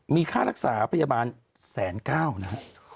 มีค่ารักษาพยาบาลแสนเก้านะ